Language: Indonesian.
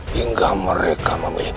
hingga mereka memilih mati